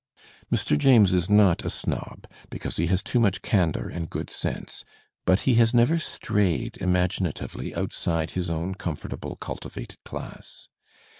Mr. James is not a snob, because he has too much candour and good sense, but he has never strayed imaginatively outside his own comfortable cultivated class.